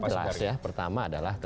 pesannya jelas ya pertama adalah tentu